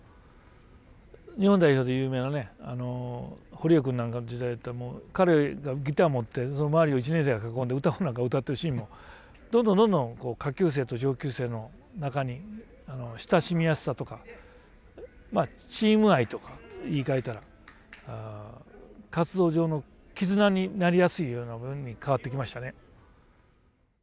日本代表で有名なね堀江くんなんかの時代ってもう彼がギター持ってその周りを１年生が囲んで歌なんか歌ってるシーンもどんどんどんどん下級生と上級生の中に親しみやすさとかチーム愛とか言いかえたら活動上の絆になりやすいような部分に変わってきましたね。